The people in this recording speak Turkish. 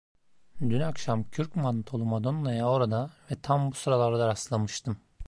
Dün akşam Kürk Mantolu Madonna'ya orada ve tam bu sıralarda rastlamıştım.